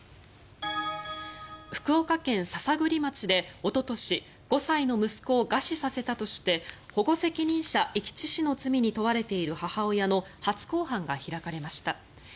福岡県篠栗町で、おととし５歳の息子を餓死させたとして保護責任者遺棄致死の罪に問われている母親の初公判が開かれました。